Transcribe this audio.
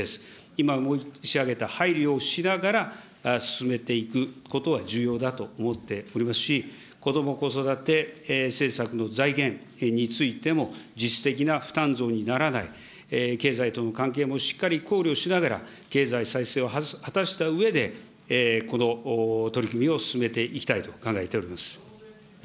今、申し上げた配慮をしながら、進めていくことは重要だと思っておりますし、こども・子育て政策の財源についても、実質的な負担増にならない、経済との関係もしっかり考慮しながら、経済再生を果たしたうえで、この取り組みを進めていきたいと考えております。